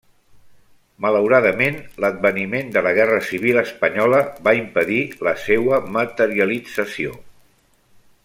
Malauradament, l'adveniment de la Guerra Civil espanyola va impedir la seua materialització.